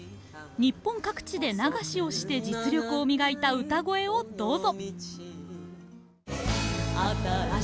日本各地で「流し」をして実力を磨いた歌声をどうぞ！